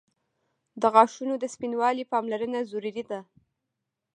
• د غاښونو د سپینوالي پاملرنه ضروري ده.